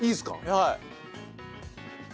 はい。